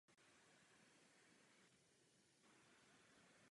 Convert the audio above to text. Většinu obyvatel tvoří buddhisté.